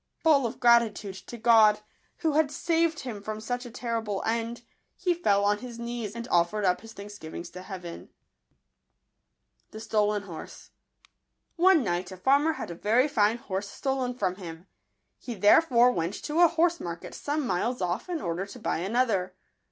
Full of gratitude to God, who had saved him from such a terrible end, he fell on his knees, and offered up his thanksgivings to Heaven. jbtolen $?or*e. ■ NE night a farmer had a very fine horse stolen from him. He there fore went to a liorse market some miles off, in order to buy another.